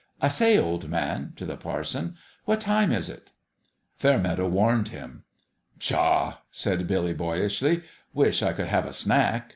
" I say, old man" to the parson "what time is it?" Fairmeadow warned him. "Pshaw!" said Billy, boyishly. "Wish I could have a snack.